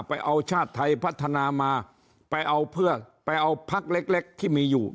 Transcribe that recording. ไปเอาชาติไทยพัฒนามาไปเอาเพื่อไปเอาพักเล็กเล็กที่มีอยู่